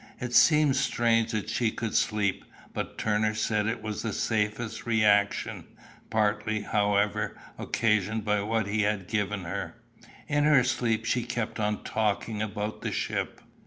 It, seemed strange that she could sleep; but Turner said it was the safest reaction, partly, however, occasioned by what he had given her. In her sleep she kept on talking about the ship.